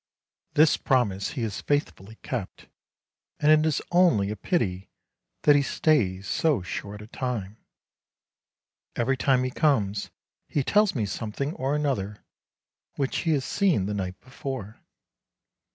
This promise he has faithfully kept, and it is only a pity that he stays so short a time. Every time he comes he tells me something or another which he has seen the night before.